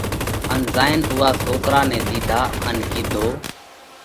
ان زائينَ اُوئا سوڪرا نئہ ۮِيڌا ان ڪِيڌو: